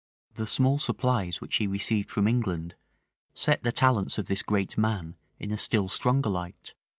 The small supplies which he received from England set the talents of this great man in a still stronger light.